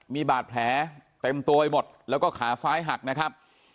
มีบาดแผลเต็มตัวไปหมดแล้วก็ขาซ้ายหักนะครับ